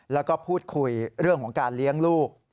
แล้วก็พูดคุยเรื่องของการเลี้ยงลูก